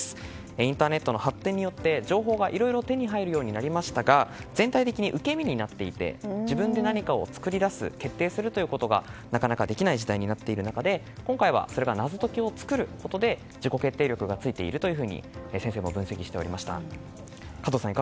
インターネットの発展によって情報がいろいろ手に入るようになりましたが全体的に受け身になっていて自分で何かを作り出す、決定するということがなかなかできない時代になっている中で今回は謎解きを作ることによって自己決定力がついているというふうに先生も分析しておりました。